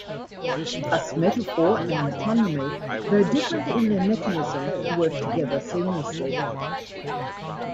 Thus, metaphor and metonymy, though different in their mechanism, work together seamlessly.